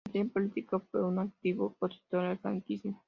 En materia política, fue un activo opositor al franquismo.